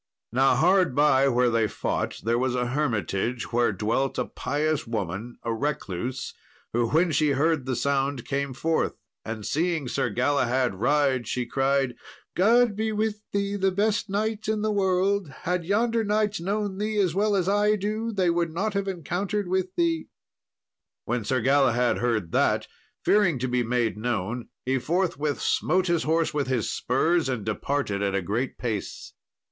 Now hard by where they fought there was a hermitage, where dwelt a pious woman, a recluse, who, when she heard the sound, came forth, and seeing Sir Galahad ride, she cried, "God be with thee, the best knight in the world; had yonder knights known thee as well as I do, they would not have encountered with thee." When Sir Galahad heard that, fearing to be made known, he forthwith smote his horse with his spurs, and departed at a great pace.